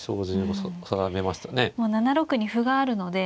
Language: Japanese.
もう７六に歩があるので。